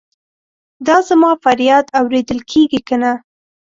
دا زما فریاد اورېدل کیږي کنه؟